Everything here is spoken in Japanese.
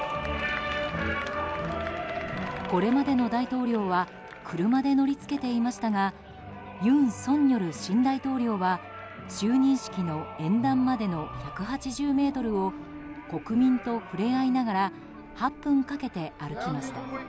これまでの大統領は車で乗り付けていましたが尹錫悦新大統領は就任式の演壇までの１８０ｍを国民と触れ合いながら８分かけて歩きました。